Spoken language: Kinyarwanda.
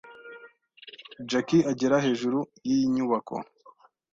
Jackie agera hejuru y’iyi nyubako